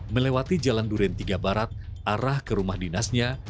melewati jalan duren tiga barat arah ke rumah dinasnya